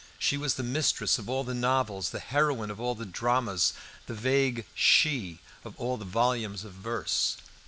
She was the mistress of all the novels, the heroine of all the dramas, the vague "she" of all the volumes of verse.